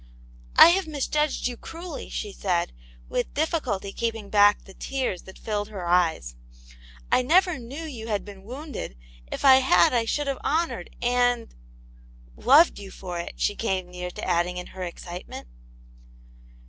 "I have misjudged you cruelly," she said, with difficulty keeping back the tears that filled her eyes. " I never knew you had been wounded ; if I had I should have honoured and —" loved you for it, she came near adding in her excitement.